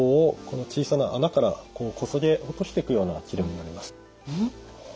この小さな孔からこそげ落としていくような治療になります。